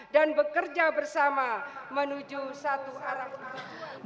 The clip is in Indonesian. dan bekerja bersama menuju satu arah ke depan